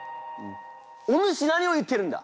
お主何を言ってるんだ！